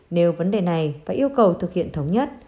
nếu vấn đề này và yêu cầu thực hiện thống nhất